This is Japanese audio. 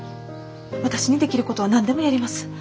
私にできることは何でもやります。